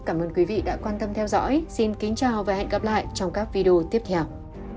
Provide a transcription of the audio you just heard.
cảm ơn quý vị đã quan tâm theo dõi xin kính chào và hẹn gặp lại trong các video tiếp theo